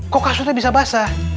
kok kasurnya bisa basah